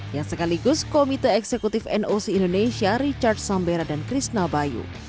yang sekaligus komite eksekutif noc indonesia richard sambera dan krishna bayu